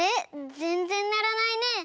ぜんぜんならないね。